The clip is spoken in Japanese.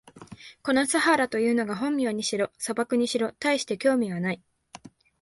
このサハラというのが本名にしろ、砂漠にしろ、たいして興味はない。